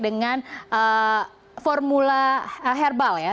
dengan formula herbal ya